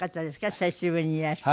久しぶりにいらして。